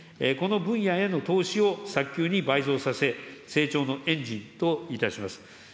この分野への投資を早急に倍増させ、成長のエンジンと致します。